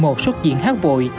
một xuất diện hát bội